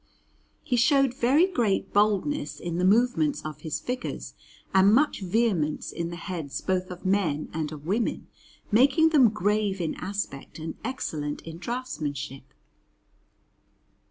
He showed very great boldness in the movements of his figures and much vehemence in the heads both of men and of women, making them grave in aspect and excellent in draughtsmanship.